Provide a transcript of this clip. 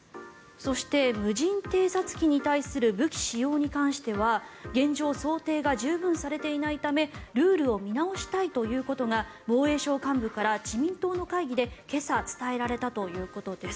そして、無人偵察機に対する武器使用に関しては現状、想定が十分されていないためルールを見直したいということが防衛省幹部から自民党の会議で今朝伝えられたということです。